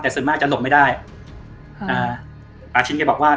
แต่ส่วนมากจะหลบไม่ได้อ่าปาชิ้นแกบอกว่า